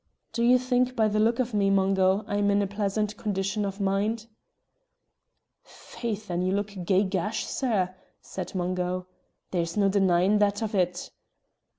"Do ye think, by the look of me, Mungo, I'm in a pleasant condition of mind?" "Faith and ye look gey gash, sir," said Mungo; "there's no denyin' that of it."